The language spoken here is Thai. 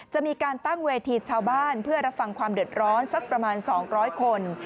จะมีการตั้งเวทีชาวบ้านเพื่อรับฟังความเดือดร้อนสักประมาณ๒๐๐คน